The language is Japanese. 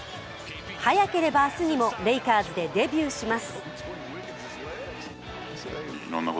早ければ明日にもレイカーズでデビューします。